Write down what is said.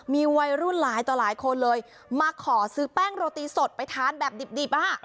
มีวัยรุ่นหลายต่อหลายคนเลยมาขอซื้อแป้งโรตีสดไปทานแบบดิบ